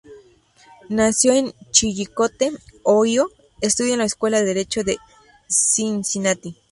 Nacido en Chillicothe, Ohio, estudia en la Escuela de Derecho de Cincinnati.